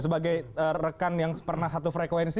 sebagai rekan yang pernah satu frekuensi